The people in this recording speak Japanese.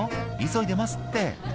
「急いでますって」